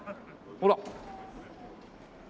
ほら。